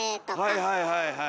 はいはいはいはい。